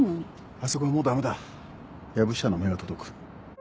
あそこはもうダメだ薮下の目が届く。